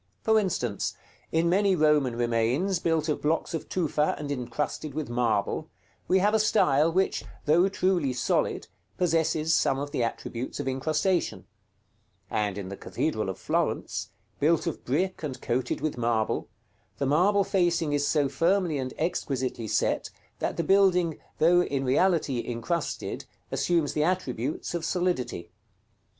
For instance, in many Roman remains, built of blocks of tufa and incrusted with marble, we have a style, which, though truly solid, possesses some of the attributes of incrustation; and in the Cathedral of Florence, built of brick and coated with marble, the marble facing is so firmly and exquisitely set, that the building, though in reality incrusted, assumes the attributes of solidity.